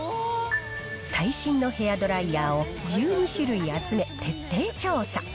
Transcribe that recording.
最新のヘアドライヤーを１２種類集め、徹底調査。